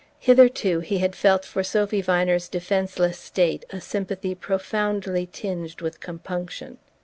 Hitherto he had felt for Sophy Viner's defenseless state a sympathy profoundly tinged with compunction.